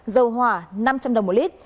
giá dầu hỏa là năm trăm linh đồng mỗi lít